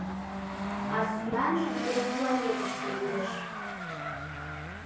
А сӱанже вес планетыште лиеш.